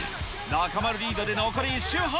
中丸リードで残り１周半。